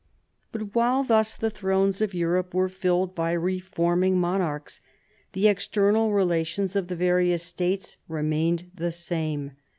But, while thus the thrones of Europe were filled by reforming monarchs, the external relations of the various states remained the same.